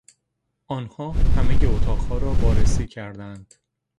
آنها همهی اتاقها را وارسی کردند.